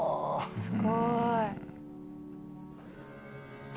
すごい。